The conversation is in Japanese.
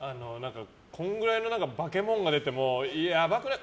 このくらいの化けもんが出てもヤバくない？